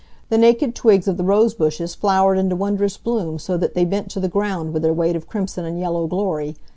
The naked twigs of the rose bushes flowered into wondrous bloom so that they bent to the ground with their weight of crimson and yellow glory.